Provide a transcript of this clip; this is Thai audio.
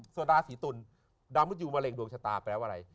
ส่วนราศีตุลดาวมุทยูมะเร็งดวงชะตาแปลว่าอะไร